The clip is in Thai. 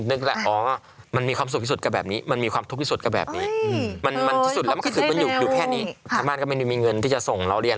ทรีคภารกรรมธรรมดาผมผมคือผ่านตรงนั้นหมดเลย